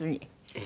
ええ。